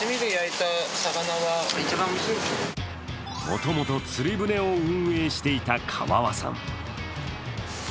もともと釣り船を運営していた川和さん。